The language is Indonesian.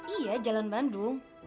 iya jalan bandung